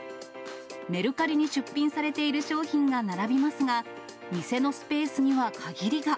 メルカリに出品されている商品が並びますが、店のスペースには限りが。